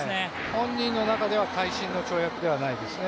本人の中では改心の跳躍ではないですね。